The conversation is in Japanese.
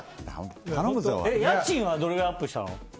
家賃はどれぐらいアップしたの？